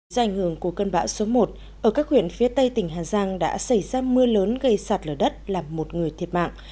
dài ngường của cơn bão số một ở các huyện phía tây tỉnh hà giang đã xảy ra mưa lớn gây sạt lở đất làm một người thiệt mạng